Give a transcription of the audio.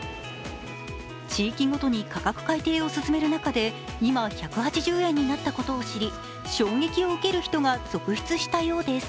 地域ごとに価格改定を進める中で今、１８０円になったことを知り衝撃を受ける人が続出したようです。